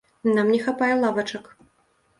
Нам не хапае лавачак!